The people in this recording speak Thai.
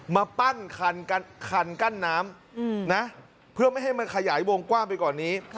มาปั้นคันกั้นน้ำนะเพื่อไม่ให้มันขยายวงกว้างไปกว่านี้